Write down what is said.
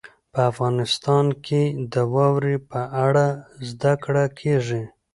په افغانستان کې د واورې په اړه زده کړه کېږي.